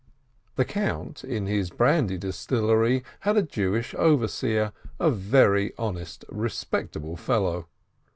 The Count, in his brandy distillery, had a Jewish over seer, a very honest, respectable fellow.